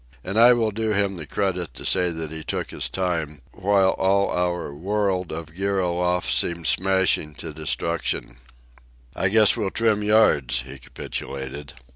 And I will do him the credit to say that he took his time while all our world of gear aloft seemed smashing to destruction. "I guess we'll trim yards," he capitulated.